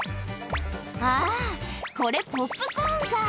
あー、これ、ポップコーンか。